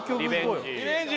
リベンジ